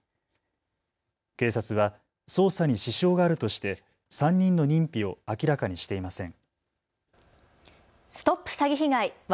警察は捜査に支障があるとして３人の認否を明らかにしていません。